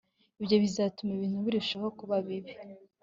ibyo bizatuma ibintu birushaho kuba bibi